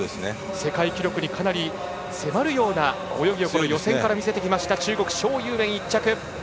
世界記録にかなり迫るような泳ぎを見せてきた中国、蒋裕燕１着。